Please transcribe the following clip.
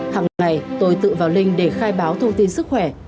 hằng ngày tôi tự vào linh để khai báo thông tin sức khỏe